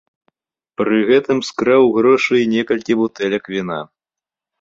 Пры гэтым скраў грошы і некалькі бутэлек віна.